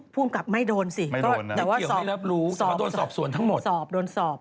ภูมิกับไม่โดนสิแต่ว่าสอบสวนทั้งหมด